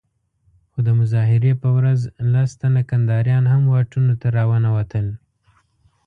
خو د مظاهرې په ورځ لس تنه کنداريان هم واټونو ته راونه وتل.